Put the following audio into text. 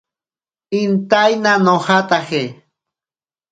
Intaina nojataje.